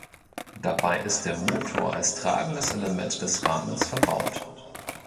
Dabei ist der Motor als tragendes Element des Rahmens verbaut.